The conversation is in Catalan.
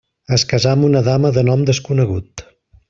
Es casà amb una dama de nom desconegut.